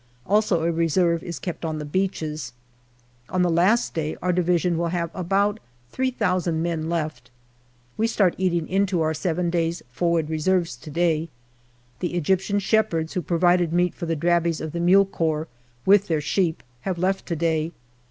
Also a reserve is kept on the beaches. On the last day our Division will have about three thousand men left. We start eating into our seven days' forward reserves to day. The Egyptian shepherds, who provided meat for the Drabis of the Mule Corps, with their sheep, have left to day.